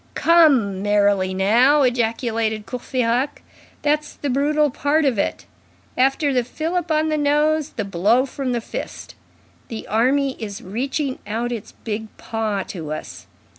"Come, merrily now!" ejaculated Courfeyrac. "That's the brutal part of it. After the fillip on the nose, the blow from the fist. The army is reaching out its big paw to us.